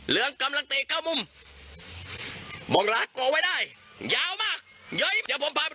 เรียนเรียนเรียนเรียนเรียนเรียนเรียนเรียนเรียน